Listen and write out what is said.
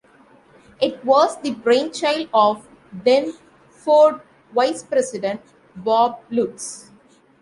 It was the brainchild of then Ford vice president Bob Lutz.